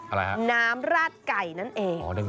อะไรฮะน้ำราดไก่นั่นเอง